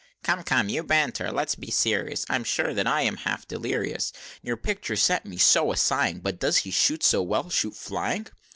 "Come, come, you banter, let's be serious; I'm sure that I am half delirious, Your picture set me so a sighing But does he shot so well shoot flying?"